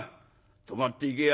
泊まっていけや。